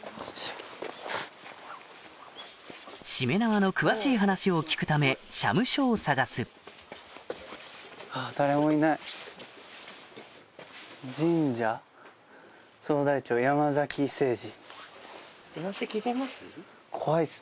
しめ縄の詳しい話を聞くため社務所を探す「神社総代長山崎政治」。